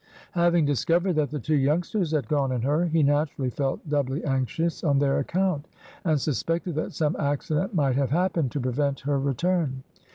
Having discovered that the two youngsters had gone in her, he naturally felt doubly anxious on their account, and suspected that some accident must have happened to prevent her return.